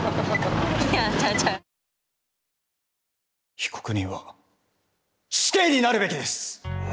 被告人は死刑になるべきです。